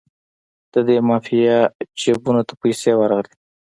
د دې مافیا جیبونو ته پیسې ورغلې.